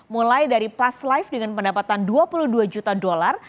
mulai dari paslive dengan pendapatan dua puluh dua juta dolar